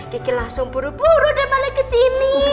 kiki langsung buru buru deh balik ke sini